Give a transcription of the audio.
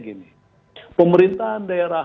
gini pemerintahan daerah